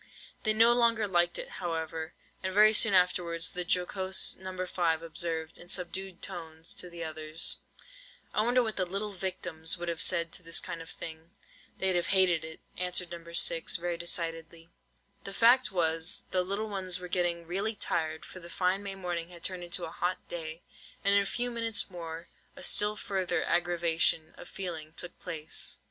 They no longer liked it, however; and very soon afterwards the jocose No. 5 observed, in subdued tones to the others:— "I wonder what the little victims would have said to this kind of thing?" "They'd have hated it," answered No. 6, very decidedly. The fact was, the little ones were getting really tired, for the fine May morning had turned into a hot day; and in a few minutes more, a still further aggravation of feeling took place.